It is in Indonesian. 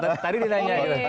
tadi ditanya gitu